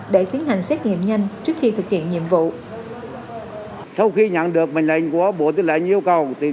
để tiến hành xét nghiệm nhanh trước khi thực hiện nhiệm vụ